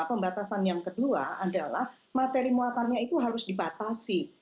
pembatasan yang kedua adalah materi muatannya itu harus dibatasi